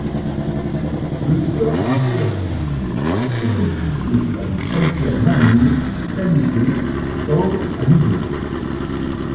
Le sol de fondation est constitué par du calcaire marneux caillouteux tendre à mi-dur.